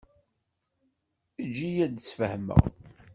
Eǧǧ-iyi ad d-sfehmeɣ.